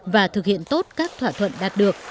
và thực hiện tốt các thỏa thuận đạt được